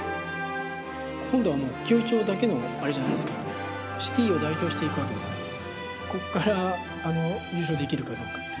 今度は、紀尾井町だけのあれじゃないですか、シティを代表して行くわけですから、ここから優勝できるかどうか。